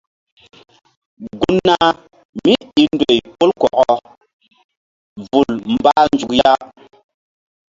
Gun nah míi ndoy pol kɔkɔ vul mbah nzuk ya.